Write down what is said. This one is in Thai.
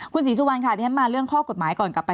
คุณศรีสุวรรณค่ะที่ฉันมาเรื่องข้อกฎหมายก่อนกลับไป